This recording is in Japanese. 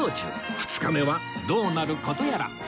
２日目はどうなる事やら